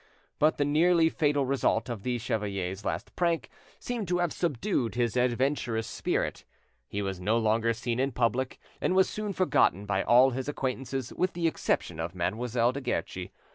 But the nearly fatal result of the chevalier's last prank seemed to have subdued his adventurous spirit; he was no longer seen in public, and was soon forgotten by all his acquaintances with the exception of Mademoiselle de Guerchi.